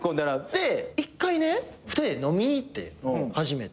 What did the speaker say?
で一回ね２人で飲みに行って初めて。